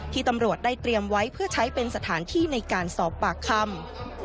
ตำรวจได้เตรียมไว้เพื่อใช้เป็นสถานที่ในการสอบปากคำ